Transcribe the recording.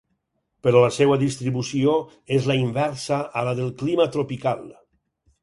Però la seva distribució és la inversa a la del clima tropical.